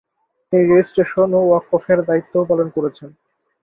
তিনি রেজিস্ট্রেশন ও ওয়াকফের দায়িত্বও পালন করেছেন।